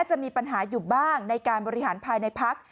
จะมีปัญหาอยู่บ้างในการบริหารภายในพัก